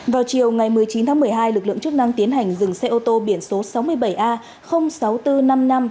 vào chiều ngày một mươi chín tháng một mươi hai lực lượng chức năng tiến hành dừng xe ô tô biển số sáu mươi bảy a sáu nghìn bốn trăm năm mươi năm